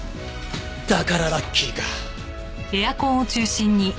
だからラッキーか。